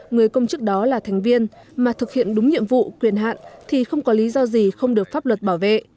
người công chức đó là thành viên mà thực hiện đúng nhiệm vụ quyền hạn thì không có lý do gì không được pháp luật bảo vệ